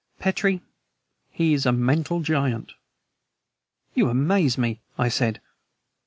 Petrie, he is a mental giant." "You amaze me!" I said.